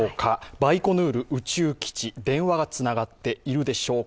バイコヌール宇宙基地、電話がつながっているでしょうか。